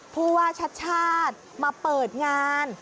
ผู้ว่าชัดมาเปิดงาน